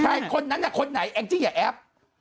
ใครคนนั้นคนไหนแองจิอย่าแอบ